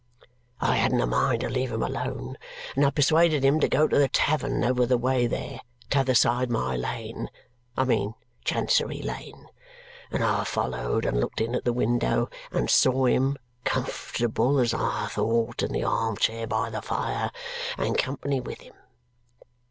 I hadn't a mind to leave him alone; and I persuaded him to go to the tavern over the way there, t'other side my lane (I mean Chancery Lane); and I followed and looked in at the window, and saw him, comfortable as I thought, in the arm chair by the fire, and company with him.